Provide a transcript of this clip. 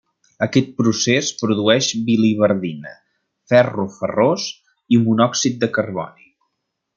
Aquest procés produeix biliverdina, ferro ferrós, i monòxid de carboni.